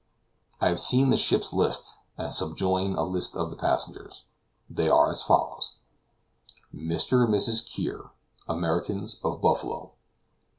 I have seen the ship's list, and subjoin a list of the passengers. They are as follows: Mr. and Mrs. Kear, Americans, of Buffalo.